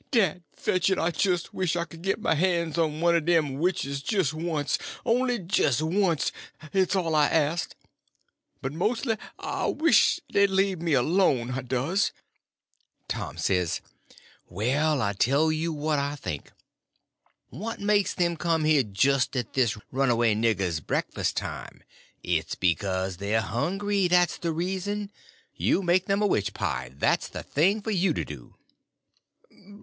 Dad fetch it, I jis' wisht I could git my han's on one er dem witches jis' wunst—on'y jis' wunst—it's all I'd ast. But mos'ly I wisht dey'd lemme 'lone, I does." Tom says: "Well, I tell you what I think. What makes them come here just at this runaway nigger's breakfast time? It's because they're hungry; that's the reason. You make them a witch pie; that's the thing for you to do."